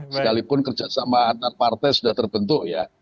sekalipun kerjasama antar partai sudah terbentuk ya